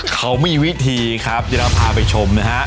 เขามีวิธีครับจะเราพาไปชมนะฮะ